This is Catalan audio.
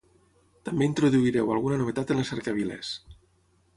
També introduireu alguna novetat en les cercaviles.